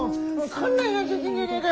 こんなになっちゃってんじゃねえかよ！